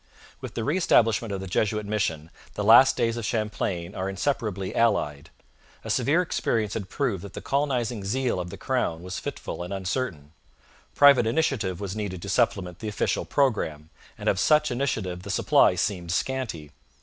With the re establishment of the Jesuit mission the last days of Champlain are inseparably allied. A severe experience had proved that the colonizing zeal of the crown was fitful and uncertain. Private initiative was needed to supplement the official programme, and of such initiative the supply seemed scanty.